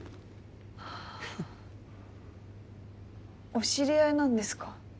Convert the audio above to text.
お知り合いなんですか？